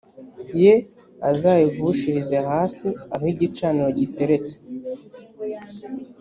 ye azayavushirize hasi aho igicaniro giteretse